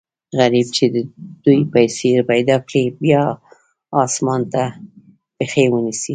غریب چې دوې پیسې پیدا کړي، بیا اسمان ته پښې و نیسي.